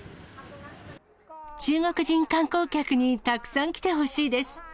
中国人観光客にたくさん来てほしいです。